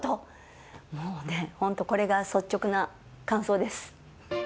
もうね本当これが率直な感想です。